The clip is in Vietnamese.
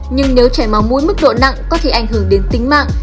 nhưng nếu chảy máu mũi mức độ nặng có thể ảnh hưởng đến tính mạng